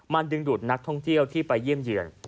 มันดึงดูดนักท่องเที่ยวที่ไปเยี่ยมเยือน